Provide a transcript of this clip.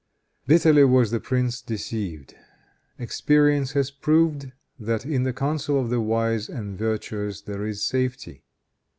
Bitterly was the prince deceived. Experience has proved that, in the counsel of the wise and virtuous, there is safety.